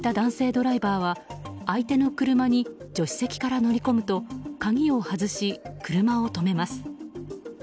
ドライバーは相手の車に助手席から乗り込むと鍵を外し、車を止めます。